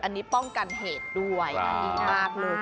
อันนี้ป้องกันเหตุด้วยดีมากเลย